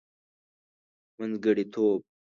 منځګړتوب.